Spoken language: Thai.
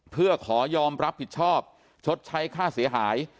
เพื่อขอยอมรับผิดชอบชดใช้ค่าเสียหาย